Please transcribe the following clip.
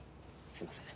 すいません。